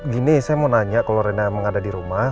gini saya mau nanya kalau rena emang ada di rumah